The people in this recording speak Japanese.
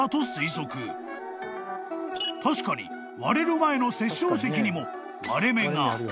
［確かに割れる前の殺生石にも割れ目が］